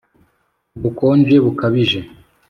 ubukonje bukabije